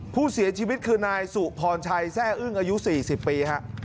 ผู้เสียชีวิตคือนายสุพรชัยแซ่อึ้งอายุ๔๐ปีฮะ